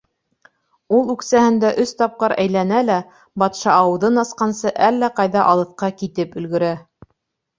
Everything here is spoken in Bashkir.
Ул үксәһендә өс тапҡыр әйләнә лә, батша ауыҙын асҡансы, әллә ҡайҙа алыҫҡа китеп өлгөрә.